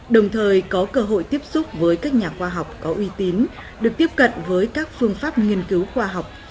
đồng thời có cơ hội tiếp xúc với các nhà khoa học có uy tín được tiếp cận với các phương pháp nghiên cứu khoa học